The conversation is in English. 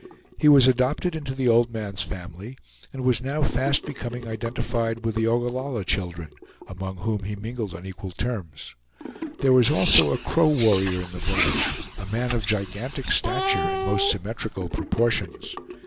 He was adopted into the old man's family, and was now fast becoming identified with the Ogallalla children, among whom he mingled on equal terms. There was also a Crow warrior in the village, a man of gigantic stature and most symmetrical proportions.